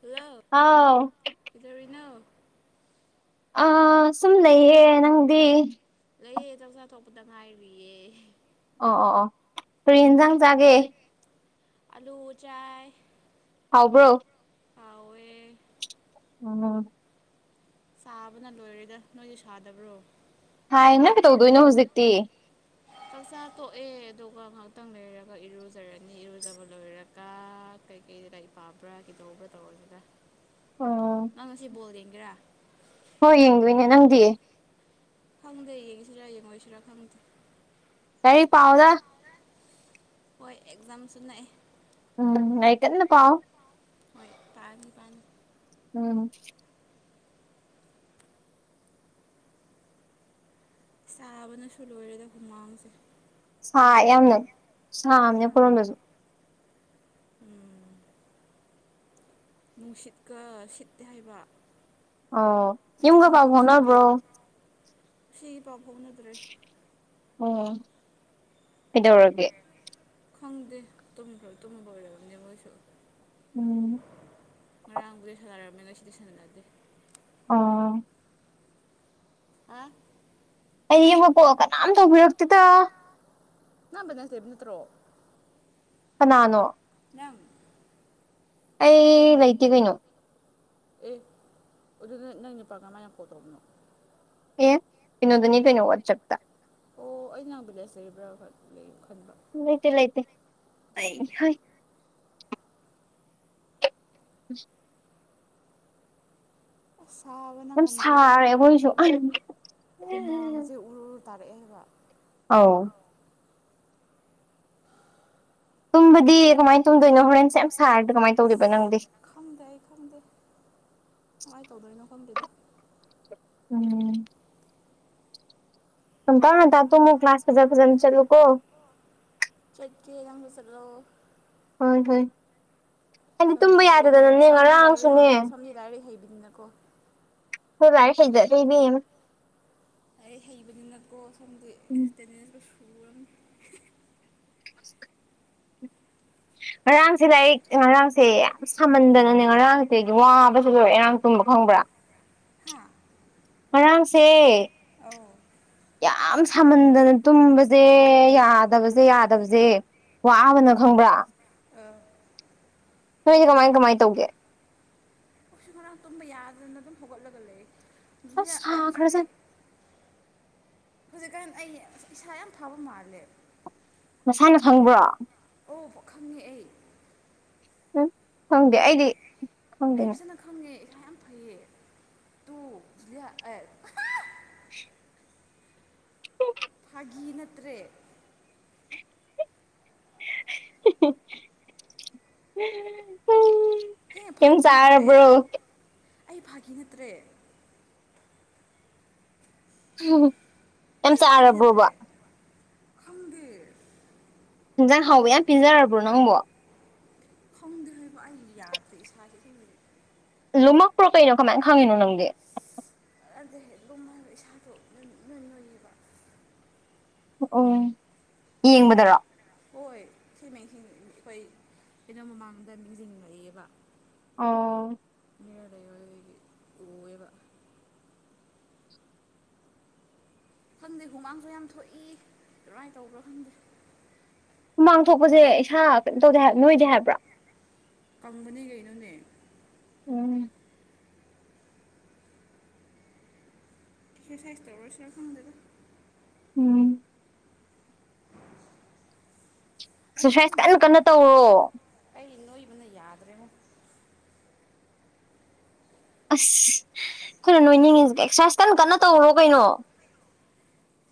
hello ꯍꯥꯎ ꯀꯩꯗꯧꯔꯤꯅꯣ ꯑ ꯁꯨꯝ ꯂꯩꯌꯦ ꯅꯪꯗꯤ ꯂꯩꯌꯦ ꯆꯥꯛꯆꯥ ꯊꯣꯛꯄꯗ ꯉꯥꯏꯔꯤꯌꯦ ꯑꯣꯑꯣꯑꯣ ꯀꯔꯤꯍꯦꯟꯖꯥꯪ ꯆꯥꯒꯦ ꯑꯂꯨ ꯆꯥꯏ ꯍꯥꯎꯕ꯭ꯔꯣ ꯍꯥꯎꯋꯦ ꯎ [unintelligible] ꯁꯥꯕꯅ ꯂꯣꯏꯔꯦꯗ ꯅꯣꯏꯗꯤ ꯁꯥꯗꯕ꯭ꯔꯣ ꯁꯥꯏꯅ ꯅꯥꯡꯀꯩ ꯇꯧꯗꯣꯏꯅꯣ ꯍꯧꯖꯤꯛꯇꯤ ꯆꯥꯛꯆꯥ ꯇꯣꯛꯑꯦ ꯑꯗꯨꯒ ꯉꯥꯏꯍꯥꯛꯇꯪ ꯂꯩꯔꯒ ꯏꯔꯨꯖꯔꯅꯤ ꯏꯔꯨꯖꯕ ꯂꯣꯏꯔꯒ ꯀ ꯀꯩꯀꯩ ꯂꯒꯥꯔꯤ ꯄꯥꯕ꯭ꯔꯥ ꯀꯩꯗꯧꯕ꯭ꯔꯥ ꯇꯧꯔꯒꯗ ꯑꯣ ꯅꯪ ꯉꯥꯁꯤ ꯕꯣꯜ ꯌꯦꯡꯒꯦꯔꯥ ꯍꯣꯏ ꯌꯦꯡꯗꯣꯏꯅꯦ ꯅꯪꯗꯤꯦ ꯈꯪꯗꯦ ꯌꯦꯡꯁꯤꯔ ꯌꯦꯡꯉꯣꯏꯁꯤꯔ ꯈꯪꯗꯦ ꯂꯥꯏꯔꯤꯛ ꯄꯥꯎꯗ ꯍꯣꯏ ꯑꯦꯛꯖꯥꯝꯁꯨ ꯅꯥꯛꯑꯦ ꯎꯝ ꯍꯥꯏꯔꯤꯛꯀꯟꯅ ꯄꯥꯎ ꯍꯣꯏ ꯇꯅꯤ ꯄꯅꯤ ꯎꯝ ꯁꯥꯕꯅꯁꯨ ꯂꯣꯏꯔꯦꯗ ꯍꯨꯃꯥꯡꯁꯦ ꯁꯥ ꯌꯥꯝꯅ ꯁꯥꯕꯅꯦ ꯍꯣꯏ ꯑꯩꯈꯣꯏꯔꯣꯝꯗꯁꯨ ꯎꯝ ꯅꯨꯡꯁꯤꯠꯀ ꯁꯤꯠꯇꯦ ꯍꯥꯏꯕ ꯑꯣ ꯃꯆꯦꯠ ꯌꯨꯝꯒ ꯄꯥꯎ ꯐꯥꯎꯅꯕ꯭ꯔꯣ ꯉꯁꯤꯒꯤ ꯄꯥꯎ ꯐꯥꯎꯅꯗ꯭ꯔꯦ ꯑꯣ ꯀꯩꯗꯧꯔꯒꯦ ꯈꯪꯗꯦ ꯇꯨꯝꯈꯔ ꯇꯨꯝꯕ ꯑꯣꯏꯔꯝꯒꯅꯦ ꯃꯣꯏꯁꯨ ꯎꯝ ꯉꯔꯥꯡꯕꯨꯗꯤ ꯁꯥꯟꯅꯔꯝꯃꯦ ꯉꯁꯤꯗꯤ ꯁꯥꯟꯅꯗꯦ ꯑꯥ ꯍꯥꯥ ꯑꯩ ꯌꯨꯝꯒ ꯀꯣꯜ ꯀꯅꯥꯝ ꯇꯧꯕꯤꯔꯛꯇꯦꯗ ꯅꯪ ꯕꯦꯂꯦꯟꯁ ꯂꯩꯕ ꯅꯠꯇ꯭ꯔꯣ ꯀꯅꯥꯅꯣ ꯅꯪ ꯑꯩ ꯂꯩꯩꯇꯦ ꯀꯩꯅꯣ ꯑꯦ ꯑꯗꯨꯗꯤ ꯅ ꯅꯪ ꯅꯨꯄꯥ ꯀꯃꯥꯏꯅ ꯀꯣꯜ ꯇꯧꯕꯅꯣ ꯑꯦ ꯀꯩꯅꯣꯗꯅꯤ ꯀꯩꯅꯣ ꯋꯥꯆꯞꯇ ꯑꯣ ꯑꯩ ꯅꯪ ꯕꯦꯂꯦꯟꯁ ꯂꯩꯕꯔꯥ ꯍꯣꯏ ꯂꯩꯌꯦ ꯈꯟꯕ ꯂꯩꯇꯦ ꯂꯩꯇꯦ ꯑꯩ ꯑꯗꯨꯒꯤ ꯍꯩ [inaudible] ꯑꯁ ꯁꯥꯕꯅ ꯌꯥꯝ ꯉꯝꯗ꯭ꯔꯦꯗ ꯁꯥꯔꯦ ꯑꯩꯈꯣꯏꯁꯨ ꯍꯨꯃꯥꯡꯒꯁꯦ ꯎꯔꯨꯔꯨꯠ ꯇꯥꯔꯛꯑꯦ ꯍꯥꯏꯕ ꯑꯥꯎ ꯇꯨꯝꯕꯗꯤ ꯀꯃꯥꯏꯅ ꯇꯨꯝꯗꯣꯏꯅꯣ ꯍꯣꯔꯦꯟ ꯁꯦꯝ ꯁꯥꯔꯗꯤ ꯀꯃꯥꯏ ꯇꯧꯗꯣꯏꯕ ꯅꯪꯗꯤ ꯈꯪꯗꯦ ꯑꯩ ꯈꯪꯗꯦ ꯀꯃꯥꯏ ꯇꯧꯗꯣꯏꯅꯣ ꯈꯪꯗꯦꯗ ꯎꯝ ꯉꯟꯇꯥ ꯉꯟꯇꯥ ꯇꯨꯝꯃꯨ ꯀ꯭ꯂꯥꯁ ꯐꯖ ꯐꯖꯅ ꯆꯠꯂꯨꯀꯣ ꯆꯠꯀꯦ ꯌꯥꯎꯅ ꯆꯠꯂꯣ ꯍꯣꯏ ꯍꯣꯏ ꯑꯩꯗꯤ ꯇꯨꯝꯕ ꯌꯥꯗꯗꯅꯅꯦ ꯉꯔꯥꯡꯁꯨꯅꯦ ꯃꯤ ꯂꯥꯏꯔꯤꯛ ꯍꯩꯕꯤꯅꯤꯅꯀꯣ ꯈꯣꯏ ꯂꯥꯏꯔꯤꯛ ꯍꯩꯖꯗꯦ ꯏꯕꯦꯃꯃꯥ ꯂꯥꯏꯔꯤꯛ ꯍꯩꯕꯅꯤꯅꯀꯣ ꯁꯣꯝꯗꯤ ꯎꯝ ꯑꯦꯇꯦꯟꯗꯦꯟꯁꯗꯣ ꯁꯨꯔꯕꯅꯤ ꯉꯔꯥꯡꯁꯦ ꯂꯥꯏꯔꯤꯛ ꯉꯔꯥꯡꯁꯦ ꯌꯥꯝ ꯁꯥꯝꯃꯟꯗꯅꯅꯦ ꯉꯔꯥꯡꯁꯦ ꯋꯥꯕꯁꯦ ꯂꯣꯏꯔꯦ ꯉꯔꯥꯡ ꯇꯨꯝꯕ ꯈꯪꯕ꯭ꯔꯥ ꯍꯥ ꯉꯔꯥꯡꯁꯦ ꯑꯧ ꯌꯥꯝ ꯁꯥꯃꯟꯗꯅ ꯇꯨꯝꯕꯖꯦ ꯌꯥꯗꯕꯖꯦ ꯌꯥꯗꯕꯖꯦ ꯋꯥꯕꯅ ꯈꯪꯕ꯭ꯔꯥ ꯑꯥ ꯅꯣꯏꯗꯤ ꯀꯃꯥꯏ ꯀꯃꯥꯏꯅ ꯇꯧꯒꯦ ꯑꯩꯁꯨ ꯉꯔꯥꯡ ꯇꯨꯝꯕ ꯌꯥꯗꯗꯅ ꯑꯗꯨꯝ ꯍꯧꯒꯠꯂꯒ ꯂꯩꯌꯦ ꯑꯁ [unintelligible] ꯁꯣꯔꯤ ꯁꯥꯈ꯭ꯔꯖꯠ ꯍꯨꯖꯤꯛꯀꯥꯟ ꯑꯩ ꯏꯁꯥ ꯌꯥꯝ ꯐꯕ ꯃꯥꯜꯂꯦ ꯅꯁꯥꯅ ꯈꯪꯕ꯭ꯔꯣ ꯑꯣ ꯈꯪꯉꯦ ꯑꯩ ꯎꯝ ꯈꯪꯗꯦ ꯑꯩꯗꯤ ꯑꯩ ꯈꯪꯗꯦꯅꯦ ꯐꯖꯅ ꯈꯪꯉꯦ ꯏꯁꯥ ꯌꯥꯝ ꯐꯩꯌꯦ ꯇꯨ [unintelligible] [unintelligible] ꯐꯥꯒꯤ ꯅꯠꯇ꯭ꯔꯦ [unintelligible] ꯍꯦ ꯌꯥꯝ ꯐꯥꯒꯤ ꯅꯠꯇ꯭ꯔꯦ ꯑꯩ ꯆꯥꯔꯕ꯭ꯔꯣ ꯑꯩ ꯐꯥꯒꯤ ꯅꯠꯇ꯭ꯔꯦ ꯌꯥꯝ ꯍꯦ ꯐꯥꯒꯤ ꯅꯠꯇ꯭ꯔꯦ ꯆꯥꯔꯕ꯭ꯔꯣꯕ ꯈꯪꯗꯦ ꯏꯟꯖꯥꯡ ꯍꯥꯎꯕ ꯌꯥꯝ ꯄꯤꯖꯔꯕ꯭ꯔꯣ ꯅꯪꯕꯣ ꯈꯪꯗ꯭ꯔꯦꯕ ꯑꯩ ꯌꯥꯗꯔ꯭ꯦ ꯏꯁꯥꯥꯁꯦ ꯑꯁꯦꯡꯕ ꯒꯤ ꯂꯨꯝꯃꯛꯄ꯭ꯔꯣ ꯀꯩꯅꯣ ꯀꯃꯥꯏꯅ ꯈꯪꯉꯤꯅꯣ ꯅꯪꯗꯤ ꯅꯠꯇꯦ ꯂꯨꯝꯃꯒ ꯏꯁꯥꯗꯣ ꯅꯣꯏ ꯅꯣꯏꯌꯦꯕ ꯑꯣ ꯌꯦꯡꯕꯗꯔꯣ ꯍꯣꯏ ꯁꯤ ꯑꯩꯈꯣꯏ ꯑꯩꯅꯣ ꯃꯃꯥꯡꯗ ꯃꯤꯁꯤꯡꯤꯡꯉꯛꯏꯑꯕ ꯑꯣ ꯃꯤꯔꯗꯥ ꯑꯣꯏꯌꯦꯕ ꯈꯪꯗꯦ ꯍꯨꯃꯥꯡꯁꯨ ꯌꯥꯝ ꯊꯣꯛꯏ ꯀꯔꯥꯏꯅ ꯇꯧꯕ꯭ꯔꯣ ꯈꯪꯗꯦ ꯍꯨꯃꯥꯡ ꯊꯣꯛꯄꯁꯦ ꯏꯁꯥ ꯀꯩꯅꯣ ꯇꯧꯗꯦ ꯍꯥꯏꯕ ꯅꯣꯏꯗꯦ ꯍꯥꯏꯕ꯭ꯔꯥ ꯐꯪꯕꯅꯤ ꯀꯩꯅꯣꯅꯦ ꯎꯝ ꯁꯤ ꯁꯋꯥꯏꯁꯇ ꯑꯣꯏꯔ ꯁꯤꯔ ꯈꯪꯗꯣ ꯎꯝ ꯑꯩ ꯑꯦꯛꯁꯔꯁꯥꯏꯁ ꯑꯁꯦꯡꯕ ꯀꯟꯅ ꯀꯟꯅ ꯇꯧꯔꯣ ꯑꯩ ꯅꯣꯏꯕꯅ ꯌꯥꯗ꯭ꯔꯦꯕ ꯑꯁ ꯑꯩꯈꯣꯏꯅ ꯅꯣꯏꯅꯤꯡꯉꯁꯤ ꯑꯦꯛꯁꯔꯁꯥꯏꯖ ꯀꯟꯅ ꯀꯟꯅ ꯇꯧꯔꯣ ꯀꯩꯅꯣ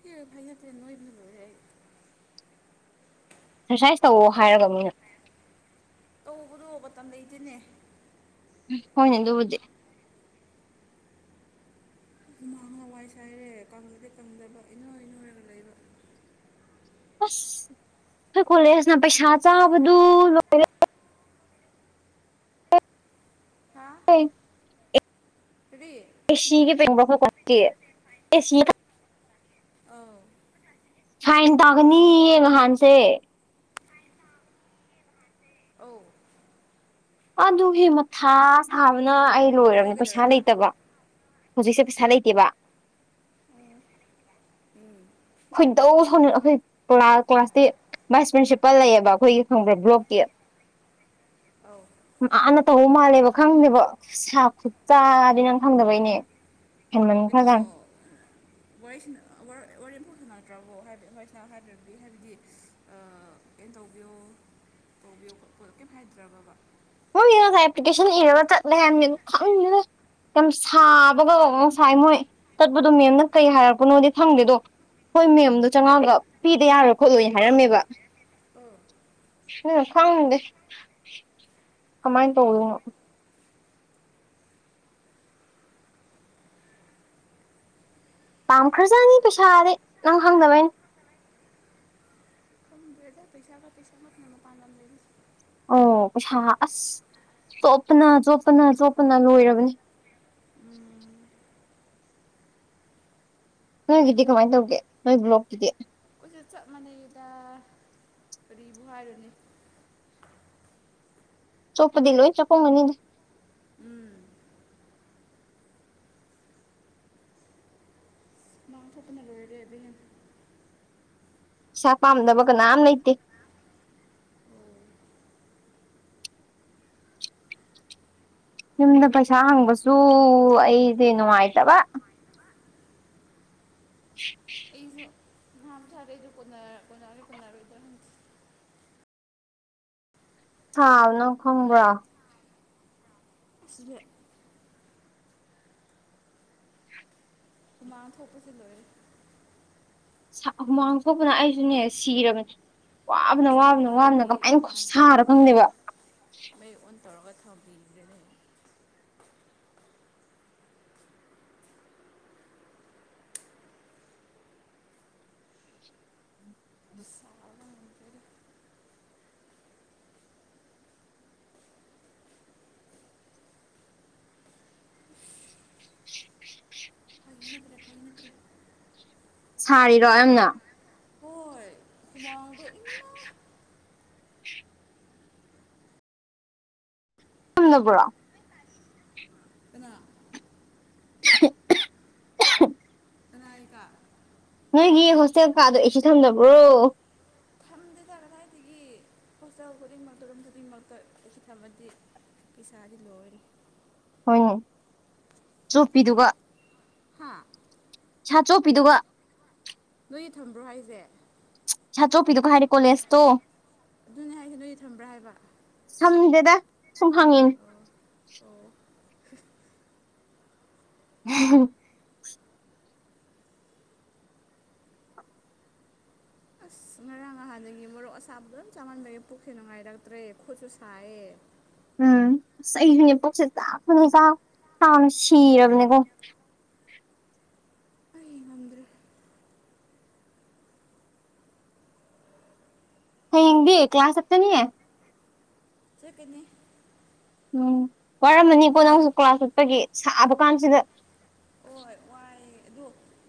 ꯍ ꯍꯥꯏꯥꯏꯍꯅ ꯅꯣꯏ ꯜꯔꯦ ꯑꯦꯛꯁꯔꯁꯥꯏꯁ ꯇꯧꯋꯣ ꯍꯥꯏꯔꯒ ꯃꯣꯏꯅ ꯇꯧꯕꯗꯣ ꯃꯇꯝ ꯂꯩꯇꯣꯏꯅꯦ ꯍꯣꯏꯅꯤ ꯑꯗꯨꯕꯨꯗꯤꯦ ꯍꯃꯥꯡꯥꯋꯥꯏ ꯁ ꯍꯥꯏꯔꯦ ꯀꯪꯗꯦ ꯀꯪꯗꯕ ꯏꯅꯣꯏ ꯏꯅꯣꯏꯔꯒ ꯂꯩꯕ ꯑꯁ ꯑꯩꯏ ꯀꯣꯂꯦꯖꯅ ꯄꯩꯁꯥ ꯆꯥꯕꯗꯨ ꯍꯥ ꯍ ꯐꯔꯤ ꯑꯦ ꯁꯤꯒꯤ ꯄꯦꯡꯕꯈ ꯀ ꯑꯥꯎ ꯐꯥꯏꯟ ꯇꯥꯒꯅꯤꯌꯦ ꯅꯍꯥꯟꯁꯦ ꯑ ꯑꯗꯨ ꯍ ꯃꯊꯥ ꯁꯥꯕꯅ ꯑꯩ ꯑꯗꯨ ꯂꯣꯏꯔꯕꯅꯦ ꯄꯩꯁꯥ ꯀꯩꯗꯧꯔꯕ ꯂꯩꯇꯕ ꯍꯧꯖꯤꯛꯁꯦ ꯄꯩꯁꯥ ꯂꯩꯇꯦꯕ ꯎꯝ ꯑꯩꯈꯣꯏꯗꯧ ꯁ ꯑꯩꯈꯣꯏ ꯀ꯭ꯂꯥꯁꯇꯤ ꯚꯥꯏꯁ ꯄ꯭ꯔꯤꯟꯁꯤꯄꯥꯜ ꯂꯩꯌꯦꯕ ꯑꯩꯈꯣꯏꯒꯤ ꯈꯣꯡꯕ꯭ꯔ ꯕ꯭ꯂꯣꯛꯀꯤ ꯑ ꯑꯥꯟꯅ ꯇꯧꯕ ꯃꯥꯜꯂꯦꯕ ꯈꯪꯗꯦꯕ ꯈꯨꯠ ꯁꯥ ꯈꯨꯠ ꯆꯗꯤ ꯅꯪ ꯈꯪꯗꯕꯩꯅꯦ ꯄꯟꯅꯣ ꯍꯦꯟꯃꯟꯈ꯭ꯔꯖꯥꯠꯅꯤ ꯋꯥꯔꯁꯤ ꯋꯥꯔ ꯏꯐꯣꯛ ꯁ ꯅꯛꯇ꯭ꯔꯕꯣ ꯍꯥꯏꯗꯤ ꯋꯥꯁꯅꯥ ꯍꯥꯏꯗ꯭ꯔꯗꯤ ꯍꯥꯏꯕꯗꯤ ꯀꯩꯅꯣ ꯇꯧꯕꯤꯌꯣ ꯇꯧꯕꯤꯌꯣ ꯀꯩꯝ ꯍꯥꯏꯗ꯭ꯔꯕꯕ ꯍ ꯃꯣ ꯑꯦꯄ꯭ꯂꯤꯀꯦꯁꯟ ꯌꯦ ꯇ ꯂ ꯀ ꯁꯥꯕꯒ ꯁꯥꯏ ꯃꯣꯏ ꯆꯠꯄꯗꯣ ꯃꯦꯝꯅ ꯀꯩ ꯍꯥꯏꯔꯛꯄꯅꯣꯗꯤ ꯐꯪꯗꯦꯗꯣ ꯍꯣꯏ ꯃꯦꯝꯗꯣ ꯆꯝꯉꯥꯒ ꯄꯤꯗ ꯌꯥꯔꯣꯏ ꯈꯣꯠꯂꯣꯏ ꯍꯥꯏꯔꯝꯃꯦꯕ ꯑꯣ ꯎꯝ ꯐꯉꯗꯗꯤ ꯀꯃꯥꯏꯅ ꯇꯧ ꯄꯥꯝꯈ꯭ꯔꯖꯥꯅꯤ ꯄꯩꯁꯥꯗꯤ ꯅꯪ ꯍꯪꯗꯕꯩꯅꯦ ꯄꯩꯁꯥꯕ ꯄꯩꯁꯥ ꯃꯈ ꯀ ꯑꯃꯣ ꯄꯥꯟꯂꯝꯖꯔꯤ ꯑꯣ ꯄꯩꯁꯥ ꯑꯁ ꯆꯣꯞꯄꯅ ꯆꯣꯞꯄꯅ ꯆꯣꯞꯄꯅ ꯂꯣꯏꯔꯕꯅꯤ ꯎꯝ ꯅꯣꯏꯒꯤꯗꯤ ꯀꯃꯥꯏꯅ ꯇꯧꯒꯦ ꯅꯣꯏ ꯕ꯭ꯂꯣꯛꯀꯤꯨꯗꯤ ꯑꯩꯁꯦ ꯆꯞ ꯃꯥꯟꯅꯩꯗ ꯀꯔꯤꯕꯨ ꯍꯥꯏꯔꯨꯅꯦ ꯆꯨꯞꯄꯗꯤ ꯂꯣꯏ ꯆ ꯀꯨꯝ ꯃꯅꯤꯗꯤ ꯎꯝ ꯂꯣꯏꯔꯕꯤ ꯄꯩꯁꯥ ꯄꯥꯝꯗꯕ ꯀꯅꯥꯝ ꯂꯩꯇꯦ ꯌꯨꯝꯗ ꯄꯩꯁꯥ ꯍꯪꯕꯁꯨ ꯑꯩꯗꯤ ꯅꯨꯡꯉꯥꯏꯇꯕ ꯑꯩꯁꯨ ꯉꯥꯝ ꯊꯥꯔꯦꯗ ꯀꯣꯟꯅ ꯀꯣꯟꯅꯔꯦ ꯀꯣꯟꯅꯔꯣꯏꯗ꯭ꯔꯥ ꯈꯪꯗꯦ ꯊꯥꯎꯅ ꯈꯣꯡꯕ꯭ꯔ ꯁꯤꯖꯦ ꯍꯨꯃꯥꯡ ꯊꯣꯛꯄꯁꯨ ꯂꯣꯏꯔꯦ ꯁꯥ ꯍꯨꯃꯥꯡ ꯊꯣꯛꯄꯅ ꯑꯩꯁꯨꯅꯦ ꯁꯤꯔꯕꯅꯦ ꯋꯥꯕꯅ ꯋꯥꯕꯅ ꯋꯥꯕꯅ ꯏꯃꯥꯟꯅꯕꯒꯤ ꯀꯃꯥꯏꯅ ꯈꯨꯁꯥꯔ ꯏꯃꯥꯟꯅꯕꯒꯤ ꯈꯪꯗꯦꯕ ꯃꯩ ꯑꯣꯟ ꯇꯧꯔꯒ ꯊꯝꯕꯤꯕꯅꯦ ꯁꯥꯕ ꯉꯝꯗ꯭ꯔꯦꯗ ꯐꯒꯤꯅꯠꯇ꯭ꯔꯦ ꯐꯒꯤꯅꯠꯇ꯭ꯔꯦ ꯁꯥꯔꯤꯔꯣ ꯅꯪꯅ ꯍꯣꯏ ꯍꯨꯃꯥꯡꯗꯣ ꯏꯃꯥ ꯇꯨꯝꯃꯕ꯭ꯔꯣ ꯀꯅꯥ [unintelligible] [unintelligible] ꯅꯣꯏꯒꯤ ꯍꯣꯁꯇꯦꯜ ꯀꯥꯗꯣ ꯑꯩꯁꯤ ꯊꯝꯗꯕ꯭ꯔꯣ ꯊꯝꯗꯦꯗ ꯀꯗꯥꯏꯗꯒꯤ ꯍꯣꯁꯇꯦꯜ ꯈꯨꯗꯤꯡꯃꯛꯇ ꯔꯨꯝ ꯈꯨꯗꯤꯡꯃꯛꯇ ꯑꯦꯁꯤ ꯊꯝꯃꯗꯤ ꯄꯩꯁꯥꯗꯤ ꯂꯣꯏꯔꯦ ꯍꯣꯏ ꯆꯣꯞꯄꯤꯗꯨꯒ ꯍꯥ ꯄꯩꯁꯥ ꯆꯣꯞꯄꯤꯗꯨꯒ ꯅꯣꯏꯒꯤ ꯊꯝꯕ꯭ꯔꯣ ꯍꯥꯏꯖꯦ ꯄꯩꯁꯥ ꯆꯣꯞꯄꯤꯗꯨꯒ ꯍꯥꯏꯔꯗꯤ ꯀꯣꯂꯦꯖꯇꯣ ꯅ ꯍꯥꯏꯖꯦ ꯅꯣꯏꯒꯤ ꯊꯝꯕ꯭ꯔꯥ ꯍꯥꯏꯕ ꯊꯝꯗꯦꯗ ꯁꯨꯝ ꯍꯪꯉꯤꯅꯤ ꯑꯣ ꯑꯣ [unintelligible] [unintelligible] ꯉꯔꯥꯡ ꯅꯍꯥꯟꯗꯒꯤ ꯃꯣꯔꯣꯛ ꯑꯁꯥꯕ ꯑꯗꯨꯝ ꯆꯥꯃꯟꯕꯒꯤ ꯄꯨꯁꯤ ꯅꯨꯡꯉꯥꯏꯔꯛꯇ꯭ꯔꯦ ꯈꯨꯠꯁꯨ ꯁꯥꯏꯌꯦ ꯎꯝ ꯑꯁ ꯑꯩꯖꯨꯅꯦ ꯄꯨꯛꯁꯦ ꯆꯥꯛꯄꯗ ꯆꯥꯛꯄꯗ ꯁꯤꯔꯕꯅꯦꯕ ꯑꯩ ꯉꯝꯗꯔꯦ ꯍꯌꯦꯡꯗꯤ ꯀ꯭ꯂꯥꯁ ꯆꯠꯀꯅꯤ ꯆꯠꯀꯅꯤ ꯎꯝ ꯋꯥꯔꯝꯃꯅꯤꯀꯣ ꯅꯪꯁꯨ ꯀ꯭ꯂꯥꯁ ꯆꯠꯄꯒꯤ ꯁꯥꯕ ꯀꯥꯟꯁꯤꯗ ꯍꯣꯏ ꯋꯥꯏꯌꯦ ꯑꯗꯨ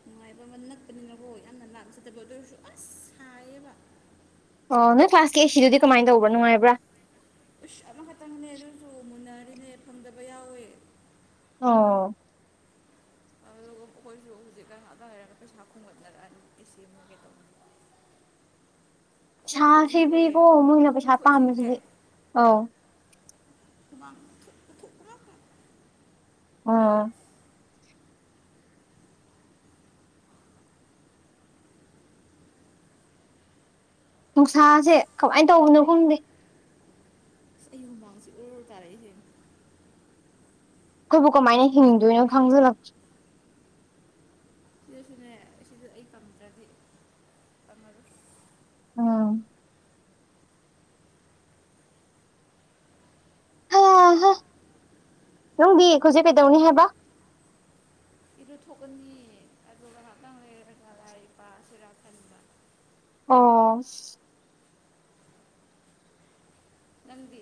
ꯅꯨꯡꯉꯥꯏꯕ ꯑꯃ ꯅꯛꯄꯅꯤꯅꯀꯣ ꯌꯥꯝꯅ ꯂꯥꯞꯅ ꯆꯠꯇꯕ ꯑꯗꯨ ꯑꯣꯏꯔꯁꯨ ꯑꯁ ꯁꯥꯏꯌꯦꯕ ꯑꯣ ꯅꯣꯏ ꯀ꯭ꯂꯥꯁꯀꯤ ꯑꯦꯁꯤꯗꯨꯗꯤ ꯀꯃꯥꯏꯟ ꯇꯧꯕꯥ ꯅꯨꯡꯉꯥꯏꯕ꯭ꯔꯥ ꯑꯦꯁꯤ ꯑꯃꯈꯇꯪꯅꯦ ꯑꯗꯨꯁꯨ ꯃꯨꯟꯅꯔꯤꯅꯦ ꯐꯪꯗꯕ ꯌꯥꯎꯋꯦ ꯑꯣ ꯑꯗꯣ ꯑꯩꯈꯣꯏꯁꯨ ꯍꯧꯖꯤꯛꯀꯥꯟ ꯑꯗꯥꯏꯔꯒ ꯄꯩꯁꯥ ꯈꯨꯝꯒꯠꯅꯔꯛꯑꯅꯤ ꯑꯦꯁꯤꯃꯨꯛ ꯀꯩ ꯇꯧꯅꯤ ꯈꯣꯡ ꯈꯨꯏꯪꯖꯦ ꯁꯥꯁꯤꯗꯤꯀꯣ ꯃꯣꯏꯅ ꯈꯣꯡ ꯄꯩꯁꯥ ꯈꯨꯠꯏꯪꯖꯦ ꯄꯥꯝꯕꯁꯤꯗꯤ ꯑꯧ [unintelligible] ꯑꯣ ꯅꯨꯡꯁꯥꯁꯦ ꯀꯃꯥꯏꯟ ꯇꯧꯕꯅꯣ ꯈꯪꯗꯦ ꯑꯁ ꯑꯩꯗꯤ ꯍꯨꯝꯃꯥꯡꯁꯤ ꯑꯣꯔꯣꯔꯣ ꯇꯥꯔꯛꯏꯁꯦ ꯑꯩꯈꯣꯏꯕꯨ ꯀꯃꯥꯏꯅ ꯍꯤꯡꯗꯣꯏꯅꯣ ꯈꯪꯖꯤꯜꯂꯛꯇ꯭ꯔꯦ ꯁꯤꯗꯁꯨꯅꯦ ꯁꯤꯗ ꯑꯩ ꯇꯝꯗ꯭ꯔꯗꯤ ꯇꯝꯃꯔꯣꯏ ꯎꯝ ꯍꯥ ꯍꯧꯖꯤꯛ ꯅꯪꯒꯤ ꯈꯨꯠꯁꯦ ꯀꯩꯗꯧꯅꯤ ꯍꯥꯏꯕ ꯏꯗꯨ ꯊꯣꯛꯀꯅꯤ ꯑꯗꯨꯒ ꯉꯥꯏꯍꯥꯛꯇꯪ ꯂꯩꯔꯒ ꯂꯥꯏꯔꯤꯛ ꯄꯥꯁꯤꯔꯥ ꯈꯟꯕ ꯑꯣꯁ ꯅꯪꯗꯤ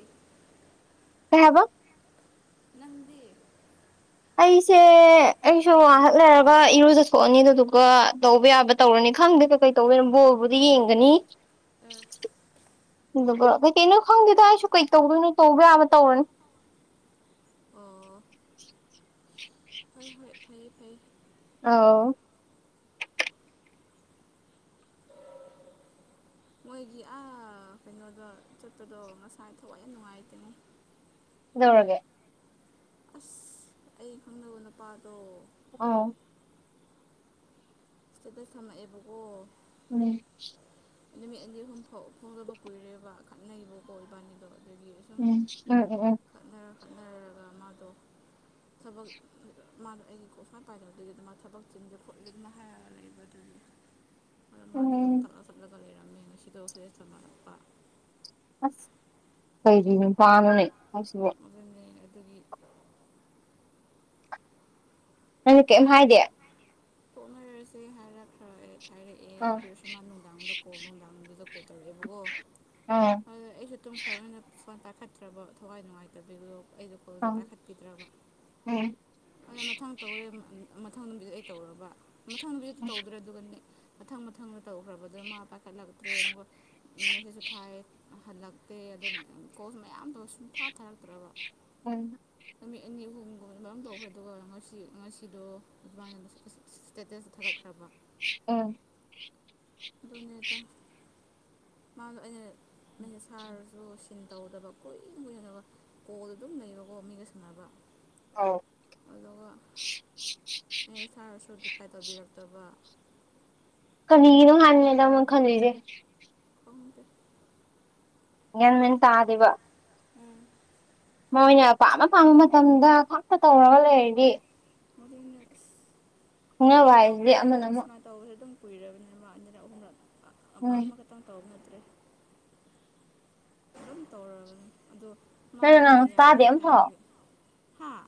ꯀꯩ ꯍꯥꯏꯕ ꯅꯪꯗꯤ ꯑꯩꯁꯦ ꯑꯩꯁꯨ ꯉꯍꯥꯛ ꯂꯩꯔꯒ ꯏꯔꯨꯖ ꯊꫭꯛꯑꯅꯤ ꯑꯗꯨꯗꯨꯒ ꯇꯧꯕ ꯌꯥꯕ ꯇꯧꯔꯅꯤ ꯈꯪꯗꯦ ꯀꯩ ꯀꯩ ꯇꯧꯗꫭꯏꯅꯣ ꯕꯣꯜꯕꯨꯗꯤ ꯌꯦꯡꯒꯅꯤ ꯎꯝ ꯀꯩ ꯀꯩꯅꯣ ꯈꯪꯗꯦꯗ ꯑꯩꯁꯨ ꯀꯩ ꯇꯧꯗꯣꯏꯅꯣ ꯇꯧꯕ ꯌꯥꯕ ꯇꯧꯔꯅꯤ ꯑꯣ ꯍꯣꯏ ꯍꯣꯏ ꯐꯩꯌꯦ ꯐꯩꯌꯦ ꯑꯥꯎ ꯃꯣꯏꯒꯤ ꯑꯥ ꯀꯩꯅꯣꯗꯣ ꯆꯨꯠꯇꯗꯣ ꯉꯁꯥꯏ ꯊꯋꯥꯏ ꯌꯥꯝ ꯅꯨꯡꯉꯥꯏꯇꯅꯤ ꯀꯩꯗꯧꯔꯒ ꯑꯁ ꯑꯩ ꯈꯪꯅꯕ ꯅꯨꯄꯥꯗꯣ ꯑꯥꯎ ꯏꯁꯇꯦꯇꯁ ꯊꯥꯝꯃꯛ ꯑꯦꯕꯀꯣ ꯎꯝꯅꯦ ꯅꯨꯃꯤꯠ ꯑꯅꯤ ꯑꯍꯨꯝ ꯄꯥꯎ ꯐꯥꯎꯅꯗꯕ ꯀꯨꯏꯔꯦꯕ ꯈꯠꯅꯩꯕꯀꯣ ꯏꯕꯥꯅꯤꯗꯣ ꯑꯗꯒꯤ ꯑꯗꯨꯨꯝ ꯎꯝ ꯎꯝ ꯎꯝ ꯈꯠꯅꯔ ꯈꯠꯅꯔꯒ ꯃꯥꯗꯣ ꯊꯕꯛ ꯃꯥꯗꯣ ꯑꯩꯒꯤ ꯀꯣꯜ ꯁꯨꯡꯄꯥꯏ ꯄꯥꯏꯗꯕꯗꯨꯒꯤ ꯃꯥ ꯊꯕꯛ ꯆꯤꯟꯁꯦ ꯈꯣꯠꯂꯦ ꯑꯗꯨ ꯍꯥꯏꯔꯒ ꯂꯩꯕ ꯑꯗꯨꯒꯤ ꯑꯗ ꯎꯝ ꯃꯥꯗꯤ ꯎꯝ ꯗꯣꯛꯇꯔ ꯁꯠꯂꯒ ꯂꯩꯔꯝꯃꯦ ꯉꯁꯤꯗꫭ ꯏꯁꯇꯦꯇꯁ ꯊꯥꯝꯃꯛꯄ ꯑꯁ ꯀꯔꯤ ꯅꯨꯄꯅꫭꯅꯦ ꯍꯥꯏꯁꯤꯕꯨ ꯑꯗꯨꯅꯦ ꯑꯩꯅ ꯑꯗꯨꯒꯤ ꯅꯪꯅ ꯀꯩꯝ ꯃꯥꯁꯨ ꯍꯥꯏꯗꯦ ꯊꯣꯛꯅꯔꯁꯦ ꯍꯥꯏꯔꯛꯈ꯭ꯔ ꯑꯩ ꯍꯥꯏꯔꯛꯑꯦ ꯑꯗꯨ ꯑꯥ ꯑꫭꯏꯁꯨ ꯃꯥ ꯅꯨꯡꯗꯥꯡꯗ ꯀꯣꯜ ꯅꯨꯡꯗꯥꯡꯗꯨꯗ ꯀꯣꯜ ꯇꯧꯔꯛꯑꯦꯕꯀꯣ ꯑꯥ ꯑꯗꯨ ꯑꯩꯁꯨ ꯇꯨꯝꯈ꯭ꯔꯕꯅꯤꯅꯥ ꯐꯣꯟ ꯄꯥꯈꯠꯇ꯭ꯔꯕ ꯊꯋꯥꯏ ꯅꯨꯡꯉꯥꯏꯇꯕꯤꯗꫭ ꯑꯩꯗꯣ ꯐꯣꯜꯗꯣ ꯑꯥ ꯄꯥꯈꯠꯄꯤꯗ꯭ꯔꯕ ꯑꯗ ꯃꯊꯪ ꯇꯧꯔꯦ ꯃꯊꯪ ꯅꯨꯃꯤꯠꯇ ꯑꯩ ꯇꯧꯔꯕ ꯃꯊꯪ ꯅꯨꯃꯤꯠꯇ ꯇꯧꯗ꯭ꯔꯦ ꯑꯗꯨꯒꯗꯤ ꯃꯊꯪ ꯃꯊꯪꯗ ꯇꯧꯈ꯭ꯔꯕꯗꯨ ꯃꯥ ꯄꯥꯏꯈꯠꯂꯛꯇ꯭ꯔꯦ ꯑꯃ ꯃꯁꯤꯁꯨ ꯊꯥꯏ ꯍꯜꯂꯛꯇꯦ ꯑꯗꯨ ꯀꯣꯁ ꯃꯌꯥꯝ ꯁꯨꯡꯊꯥ ꯊꯥꯔꯛꯇ꯭ꯔꯕ ꯎꯝ ꯅꯨꯃꯤꯠ ꯑꯅꯤ ꯑꯍꯨꯝꯒꯨꯝꯕ ꯇꯧꯈ꯭ꯔꯦ ꯑꯗꯨꯒ ꯉꯁꯤ ꯉꯁꯤꯗꯣ ꯑꯗꯨꯃꯥꯏꯅ ꯏꯁꯇꯦꯇꯁ ꯊꯥꯒꯠꯈ꯭ꯔꯕ ꯎꯝ ꯑꯗꯨꯅꯦꯗ ꯃꯗꯣ ꯑꯩꯅ ꯃꯦꯁ ꯊꯥꯔꯁꯨ ꯁꯤꯟ ꯇꯧꯗꯕ ꯀꯨꯏꯅ ꯀꯨꯏꯅ ꯂꯩꯔꯒ ꯀꯣꯜꯗ ꯑꯗꯨꯝ ꯂꯩꯕꯀꯣ ꯃꯤꯒ ꯁꯥꯟꯅꯕ ꯑꯥꯎ ꯑꯗꯨꯒ ꯃꯦꯁ ꯁꯥꯔꯁꯨ ꯔꯤꯐ꯭ꯂꯥꯏ ꯇꯧꯕꯤꯔꯛꯇꯕ ꯀꯔꯤꯒꯤꯅꯣ ꯍꯥꯏꯕꯅꯤꯗ ꯃꫭꯏ ꯈꯟꯂꯤꯁꯦ ꯈꯪꯗꯦ ꯒꯌ꯭ꯥꯟ ꯃꯦꯟ ꯇꯥꯗꯕ ꯎꯝ ꯃꯣꯏꯅ ꯄꯥꯝꯅ ꯄꯥꯝꯕ ꯃꯇꯝꯗ ꯈꯇ ꯇꯧꯔꯒ ꯂꯩꯔꯗꯤ ꯃꯗꯨꯅꯦ ꯑꯁ ꯈꯪꯅꯕ ꯁꯨꯃꯥꯏ ꯍꯥꯏꯁꯤꯗꯤ ꯇꯧꯕꯁꯦ ꯑꯃꯅ ꯑꯃ ꯁꯨꯃꯥꯏ ꯇꯧꯕꯁ ꯑꯗꯨꯝ ꯀꯨꯏꯔꯕꯅꯤꯅ ꯑꯅꯤꯔꯛ ꯑꯍꯨꯝꯂꯛ ꯎꯝ ꯑꯃꯒ ꯇꯪ ꯇꯧꯕ ꯅꯠꯇꯔꯦ ꯑꯗꯨꯝ ꯇꯧꯔꯕꯅꯤ ꯑꯗꫭ ꯅꯪꯅ ꯃꯗꫭ ꯑꯩꯅ ꯉꯥꯡꯕꯁꯨ ꯇꯥꯗꯦ ꯌꯥꯏꯑꯦ ꯍꯥꯏꯕ ꯑꯝꯐꯥꯎ ꯍꯥ